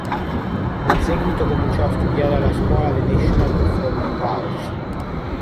In seguito cominciò a studiare alla scuola "The National Performing Arts".